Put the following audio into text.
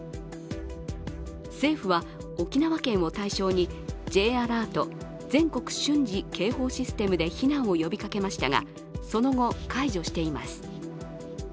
政府は、沖縄県を対象にＪアラート＝全国瞬時警報システムで避難を呼びかけましたが、その後、解除しています。